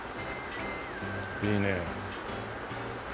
いいね。